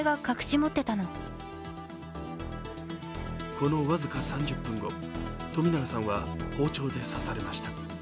この僅か３０分後、冨永さんは包丁で刺されました。